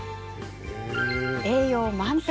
栄養満点。